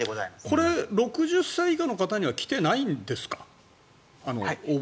これ、６０歳以下の人には来ていないんですか？